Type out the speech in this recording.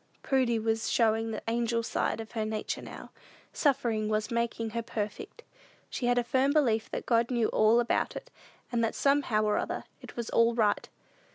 Prudy was showing the angel side of her nature now. Suffering was "making her perfect." She had a firm belief that God knew all about it, and that somehow or other it was "all right."